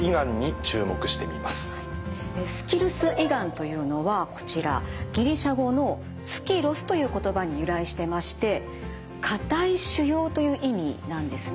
スキルス胃がんというのはこちらギリシア語の「ｓｋｉｒｒｈｏｓ」という言葉に由来してましてかたい腫瘍という意味なんですね。